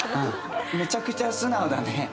めちゃくちゃ素直だね。